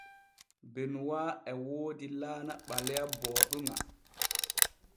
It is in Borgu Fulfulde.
Benuwa e woodi laana ɓaleya booɗuŋa.